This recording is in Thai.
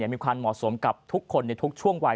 มีความเหมาะสมกับทุกคนในทุกช่วงวัย